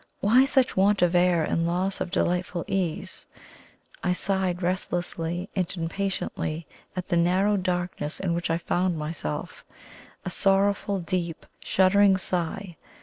why such want of air and loss of delightful ease? I sighed restlessly and impatiently at the narrow darkness in which I found myself a sorrowful, deep, shuddering sigh